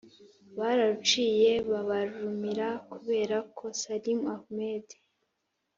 bararuciye babarumira. kubera ko salim ahmed,